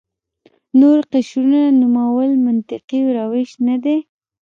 نور قشرونو نومول منطقي روش نه دی.